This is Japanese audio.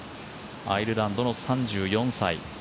アイルランドの３４歳。